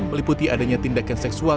meliputi adanya tindakan seksual